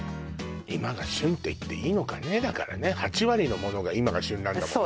今が旬って言っていいのかねだからね８割のものが今が旬なんだもんね